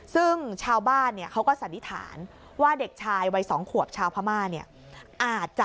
ซึ่งชาวบ้านเขาก็สันนิษฐานว่าเด็กชายวัย๒ขวบชาวพม่า